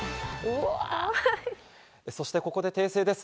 そしてここで訂正です。